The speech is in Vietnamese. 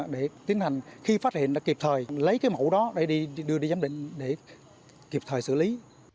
để tiến hành khi phát hiện đã kịp thời lấy cái mẫu đó để đưa đi giám định để kịp thời xử lý